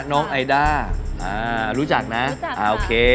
น้องไอด้ารู้จักนะรู้จักค่ะ